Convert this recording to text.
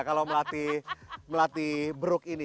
kalau melatih beruk ini